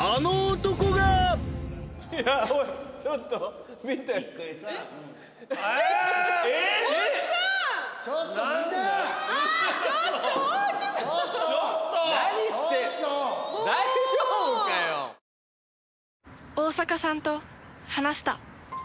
大坂さんと話した。